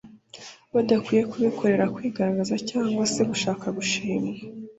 badakwinye kubikorera kwigaragaza cyangwa se gushaka gushimwa.